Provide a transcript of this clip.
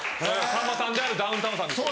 さんまさんでありダウンタウンさんですよ。